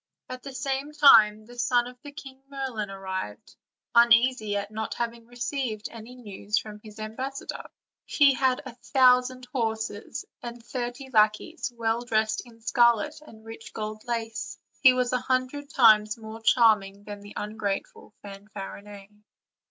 At the same time the son of the great King Merlin arrived, uneasy at not having received any news from his ambassador. He had a thousand horses, and thirty lackeys, well dressed in scarlet and rich gold lace; he was a hundred times more charming than the ungrateful Fanfarinet.